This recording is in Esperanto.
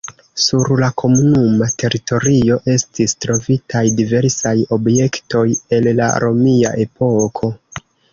Sur la komunuma teritorio estis trovitaj diversaj objektoj el la romia epoko.